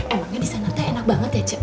emangnya disana tuh enak banget ya cek